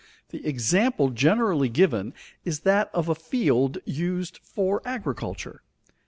The example generally given is that of a field used for agriculture.